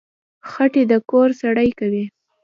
خټکی د کور سړه کوي.